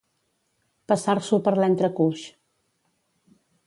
Passar-s'ho per l'entrecuix.